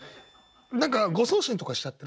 何か誤送信とかしちゃってる？